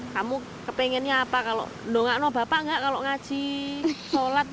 kamu kepengennya apa nongak nombapak nggak kalau ngaji sholat